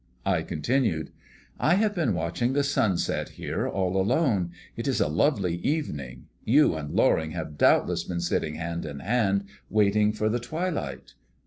I continued: "I have been watching the sunset here all alone. It is a lovely evening. You and Loring have doubtless been sitting hand in hand, waiting for the twilight?